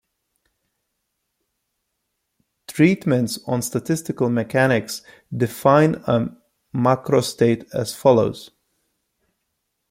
Treatments on statistical mechanics, define a macrostate as follows.